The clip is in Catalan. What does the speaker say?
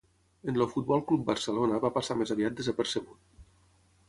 En el Futbol Club Barcelona va passar més aviat desapercebut.